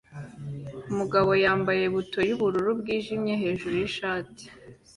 umugabo wambaye buto yubururu bwijimye hejuru ishati